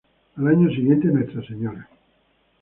Al siguiente año, Nuestra Sra.